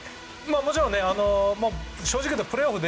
もちろん正直言うとプレーオフは